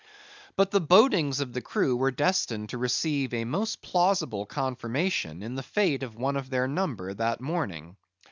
But the bodings of the crew were destined to receive a most plausible confirmation in the fate of one of their number that morning.